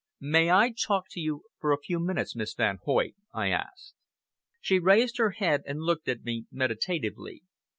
"May I talk to you for a few minutes, Miss Van Hoyt?" I asked. She raised her head and looked at me meditatively.